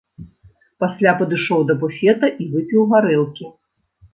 Пасля падышоў да буфета і выпіў гарэлкі.